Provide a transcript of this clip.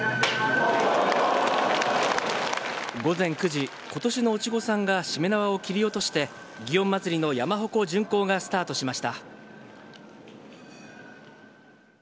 午前９時、ことしのお稚児さんがしめ縄を切り落として、祇園祭の山鉾巡行がスタートしました。